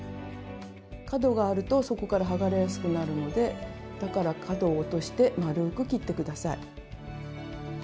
角があるとそこから剥がれやすくなるのでだから角を落としてまるく切って下さい。